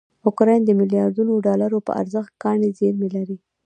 اوکراین دمیلیاردونوډالروپه ارزښت کاني زېرمې لري.